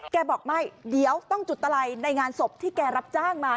บอกไม่เดี๋ยวต้องจุดตะไลในงานศพที่แกรับจ้างมา